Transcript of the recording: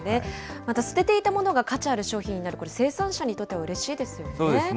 また捨てていたものが価値ある商品になる、生産者にとってはうれそうですね。